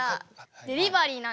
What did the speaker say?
デリバリーなんですよ。